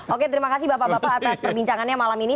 oke terima kasih bapak bapak atas perbincangannya malam ini